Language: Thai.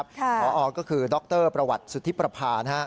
พอก็คือดรประวัติสุธิประพา